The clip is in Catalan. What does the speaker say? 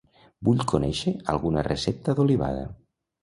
Vull conèixer alguna recepta d'olivada.